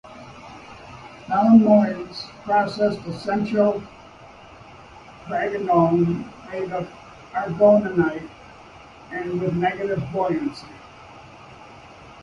Belemnoids possessed a central phragmocone made of aragonite and with negative buoyancy.